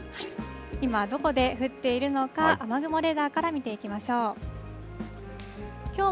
今、どこで降っているのか、雨雲レーダーから見ていきましょう。